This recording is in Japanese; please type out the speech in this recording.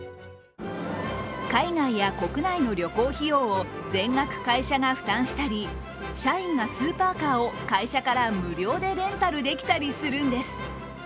海外や国内の旅行費用を全額会社が負担したり、社員がスーパーカーを会社から無料でレンタルできたりするんです。